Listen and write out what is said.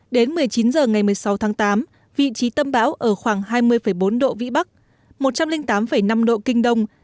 đến một mươi chín h ngày một mươi sáu tháng tám vị trí tâm bão ở khoảng hai mươi bốn độ vĩ bắc một trăm linh tám năm độ kinh đông